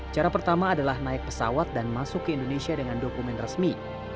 cara pertama adalah naik pesawat dan masuk ke indonesia dengan dokumen resmi